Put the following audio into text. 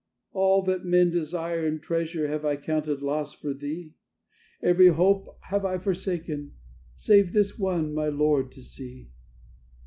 "All that men desire and treasure have I counted loss for Thee; Every hope have I forsaken, save this one, my Lord to see.